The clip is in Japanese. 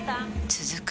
続く